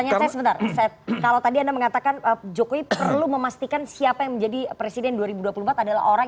kalau tadi anda mengatakan jokowi perlu memastikan siapa yang menjadi presiden dua ribu dua puluh empat